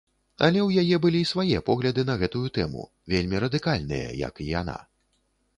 Але ў яе былі свае погляды на гэтую тэму, вельмі радыкальныя, як і яна.